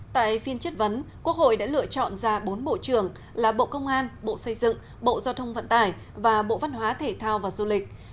tại phiên chất vấn quốc hội đã lựa chọn ra bốn bộ trưởng là bộ công an bộ xây dựng bộ giao thông vận tải và bộ văn hóa thể thao và du lịch